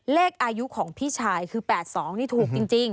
เลขอายุของพี่ชายคือ๘๒นี่ถูกจริง